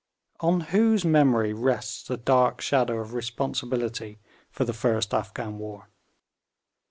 On whose memory rests the dark shadow of responsibility for the first Afghan war?